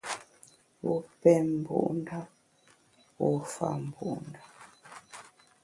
Wu pem mbu’ ndap, wu fa mbu’ ndap.